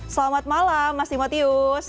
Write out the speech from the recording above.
selamat malam mas timotius